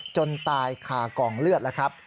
จนตายขากล่องเลือดละครับ